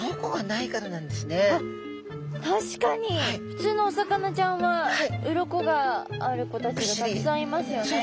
ふつうのお魚ちゃんは鱗がある子たちがたくさんいますよね。